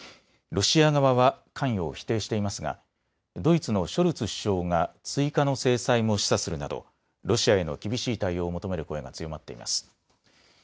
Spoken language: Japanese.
ロシア側は関与を否定していますがドイツのショルツ首相が追加の制裁も示唆するなどロシアへの厳しい対応を求める声が強まっています。